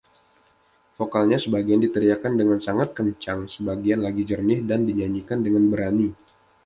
Vocalnya sebagian "diteriakkan dengan sangat kencang", sebagian lagi jernih dan "dinyanyikan dengan berani".